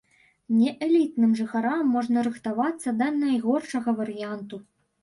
Неэлітным жыхарам можна рыхтавацца да найгоршага варыянту.